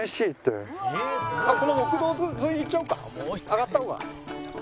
上がった方が。